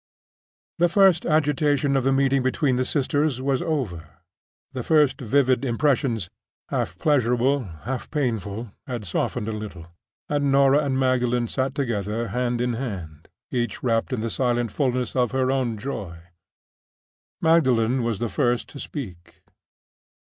The first agitation of the meeting between the sisters was over; the first vivid impressions, half pleasurable, half painful, had softened a little, and Norah and Magdalen sat together hand in hand, each rapt in the silent fullness of her own joy. Magdalen was the first to speak.